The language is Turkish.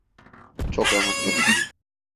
Çok rahatlatıcı.